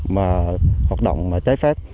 mà hoạt động mà trái phép